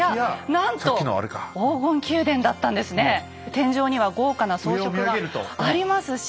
天井には豪華な装飾がありますし。